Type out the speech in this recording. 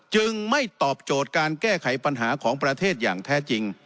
จึงไม่ตอบโจทย์การแก้ไขปัญหาของประเทศอย่างแท้จริง